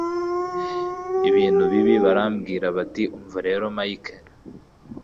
ibintu bibi barambwira bati umva rero Mike